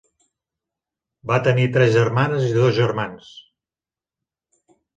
Va tenir tres germanes i dos germans.